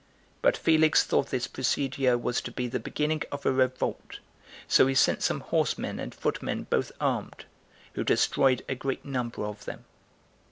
But Felix thought this procedure was to be the beginning of a revolt; so he sent some horsemen and footmen both armed, who destroyed a great number of them.